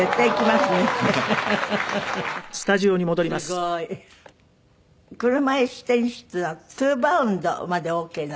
すごい。車いすテニスっていうのは２バウンドまでオーケーなんですって？